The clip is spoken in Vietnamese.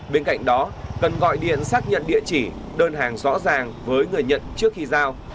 bên cạnh đó cần gọi điện xác nhận địa chỉ đơn hàng rõ ràng với người nhận trước khi giao